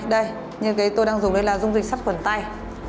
đây như cái tôi đang dùng đây là dung dịch sắt khuẩn tay